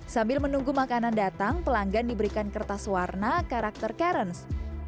sambil menunggu makanan datang pelanggan diberikan kertas warna karakter karens